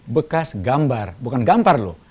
bekas gambar bukan gambar loh